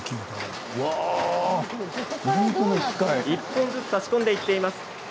１本ずつ挿し込んでいっています。